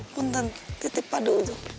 punten titip padu